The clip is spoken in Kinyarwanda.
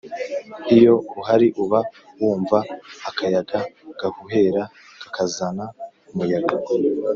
Iyo uhari uba wumva akayaga gahuhera kakazana umuyaga